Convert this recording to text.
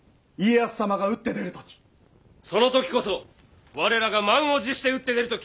その時こそ我らが満を持して打って出る時！